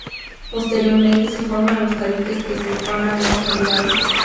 Posteriormente se forman los tabiques que separan las cavidades.